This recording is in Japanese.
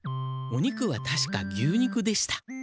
お肉はたしか牛肉でした。